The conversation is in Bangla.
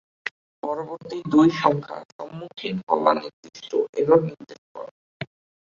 পরবর্তী দুই সংখ্যা সম্মুখীন হওয়া নির্দিষ্ট এরর নির্দেশ করে।